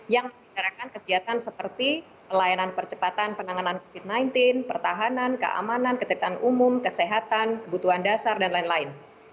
yang menggunakan kegiatan seperti pelayanan percepatan penanganan covid sembilan belas pertahanan keamanan ketertaan umum kesehatan kebutuhan dasar dan lain lain